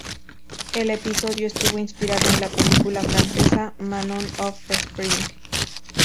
El episodio estuvo inspirado en la película francesa "Manon of the Spring".